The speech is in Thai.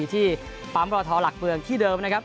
ที่ปรัมประวัติธรรมหลักเบืองที่เดิมนะครับ